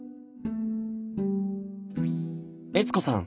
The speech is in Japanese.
悦子さん